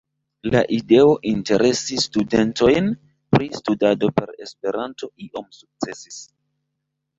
La ideo interesi studentojn pri studado per Esperanto iom sukcesis.